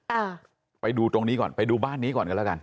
อ่าไปดูตรงนี้ก่อนไปดูบ้านนี้ก่อนกันแล้วกัน